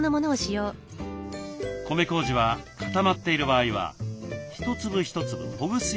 米こうじは固まっている場合は一粒一粒ほぐすようにします。